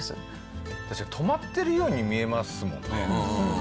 確かに止まってるように見えますもんね。